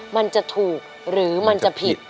มันจะถูกหรือมันจะผิด